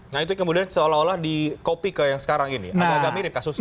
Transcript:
nah itu kemudian seolah olah dikopi ke yang sekarang ini agak mirip kasusnya